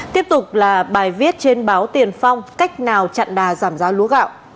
tiếp tục là bài viết trên báo tiền phong cách nào chặn đà giảm giá lúa gạo